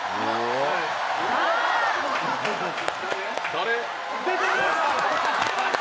誰？